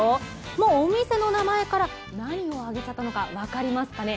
もうお店の名前から何を揚げちゃったのか分かりますかね？